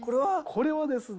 これはですね